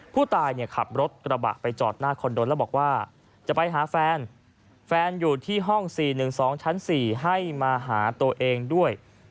ผู้ตายขับรถกระบะไปจอดหน้าคอนโดแล้วบอกว่าจะไปหาแฟนแฟนอยู่ที่ห้อง๔๑๒ชั้น๔ให้มาหาตัวเองด้วย